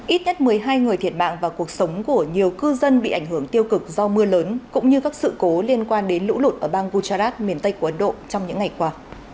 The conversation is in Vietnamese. ít nhất một mươi hai người thiệt mạng và cuộc sống của nhiều cư dân bị ảnh hưởng tiêu cực do mưa lớn cũng như các sự cố liên quan đến lũ lụt ở bang gujarat miền tây của ấn độ trong những ngày qua